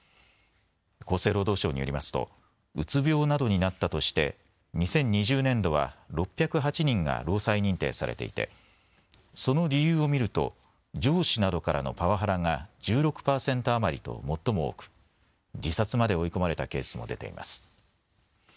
厚生労働省によりますとうつ病などになったとして２０２０年度は６０８人が労災認定されていてその理由を見ると上司などからのパワハラが１６％余りと最も多く自殺まで追い込まれたケースも出ています。